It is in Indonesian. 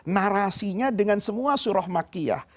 narasinya dengan semua surah makiyah